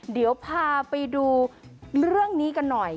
เดี๋ยวพาไปดูเรื่องนี้กันหน่อย